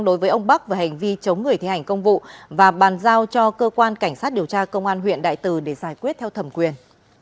đối với ông bắc về hành vi chống người thi hành công vụ và bàn giao cho cơ quan cảnh sát điều tra công an huyện đại từ để giải quyết theo thẩm quyền